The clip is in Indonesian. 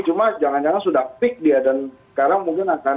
cuma jangan jangan sudah pick dia dan sekarang mungkin akan lay low gitu